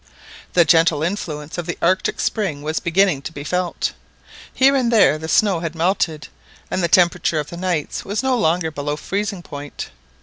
The gentle influence of the Arctic spring was beginning to be felt. Here and there the snow had melted, and the temperature of the nights was no longer below freezing point.